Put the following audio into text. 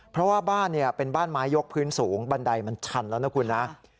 เพราะว่าบ้านเป็นบ้านไม้ยกพื้นสูงบันไดมันชันแล้วนะคุณนะ